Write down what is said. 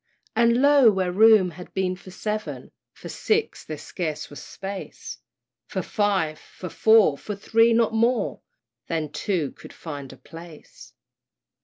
And lo! where room had been for seven, For six there scarce was space! For five! for four! for three! not more Than two could find a place!